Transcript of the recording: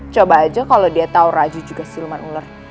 coba aja kalo dia tau raju juga siluman ular